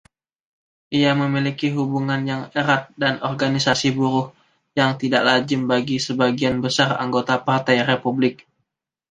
Ia memiliki hubungan yang erat dengan organisasi buruh, yang tidak lazim bagi sebagian besar anggota partai Republik.